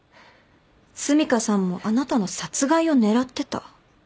澄香さんもあなたの殺害を狙ってた。